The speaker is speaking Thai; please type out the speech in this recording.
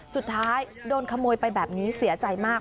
สุดท้ายโดนขโมยไปแบบนี้เสียใจมาก